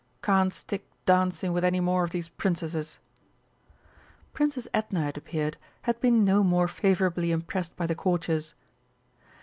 Can't stick dancing with any more of these Princesses!" Princess Edna, it appeared, had been no more favourably impressed by the Courtiers.